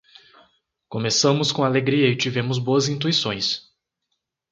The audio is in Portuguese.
Começamos com alegria e tivemos boas intuições